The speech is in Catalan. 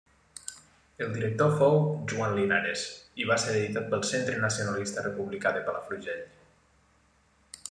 El director fou Joan Linares i va ser editat pel Centre Nacionalista Republicà de Palafrugell.